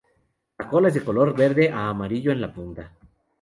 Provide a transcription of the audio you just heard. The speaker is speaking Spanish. La cola es de color verde a amarillo en la punta.